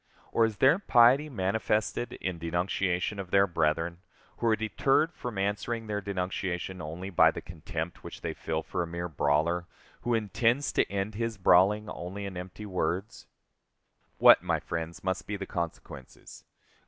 Or is their piety manifested in denunciation of their brethren, who are deterred from answering their denunciation only by the contempt which they feel for a mere brawler, who intends to end his brawling only in empty words? What, my friends, must be the consequences?